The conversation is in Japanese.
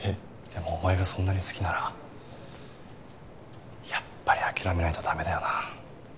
でもお前がそんなに好きならやっぱり諦めないと駄目だよな。